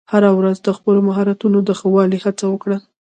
هره ورځ د خپلو مهارتونو د ښه والي هڅه وکړه.